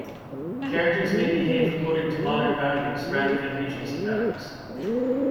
Characters may behave according to modern values, rather than Regency values.